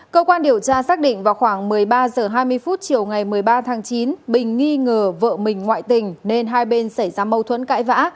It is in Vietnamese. cơ quan điều tra xác định vào khoảng một mươi ba h hai mươi phút chiều ngày một mươi ba tháng chín bình nghi ngờ vợ mình ngoại tình nên hai bên xảy ra mâu thuẫn cãi vã